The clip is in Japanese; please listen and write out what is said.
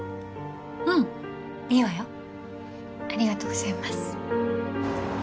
うんいいわよありがとうございます